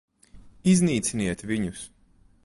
Iznīciniet viņus!